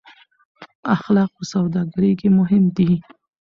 اخلاق په سوداګرۍ کې مهم دي.